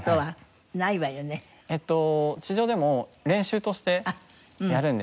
えっと地上でも練習としてやるんですね。